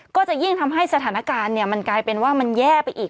ก็จะยิ่งทำให้สถานการณ์มันกลายเป็นว่ามันแย่ไปอีก